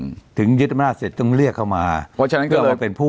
อืมถึงยิดอำนาจเสร็จต้องเรียกเข้ามาเพื่อว่าความเป็นพวก